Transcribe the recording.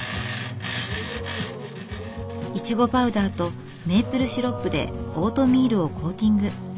イチゴパウダーとメープルシロップでオートミールをコーティング。